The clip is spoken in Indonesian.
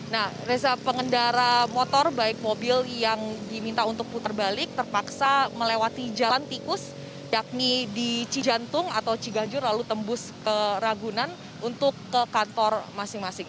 nah reza pengendara motor baik mobil yang diminta untuk putar balik terpaksa melewati jalan tikus yakni di cijantung atau ciganjur lalu tembus ke ragunan untuk ke kantor masing masing